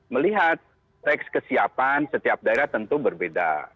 melihat teks kesiapan setiap daerah tentu berbeda